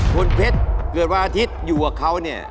คุณเพชรเกิดวันอาทิตย์อยู่กับเขาเนี่ย